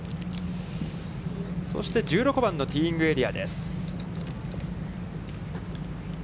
そして１６番のティーイングエリアです。